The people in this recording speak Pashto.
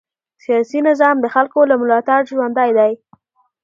سیاسي نظام د خلکو له ملاتړ ژوندی دی